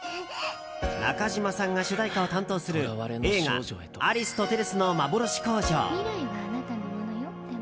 中島さんが主題歌を担当する映画「アリスとテレスのまぼろし工場」。